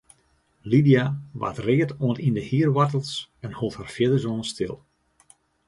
Lydia waard read oant yn de hierwoartels en hold har fierdersoan stil.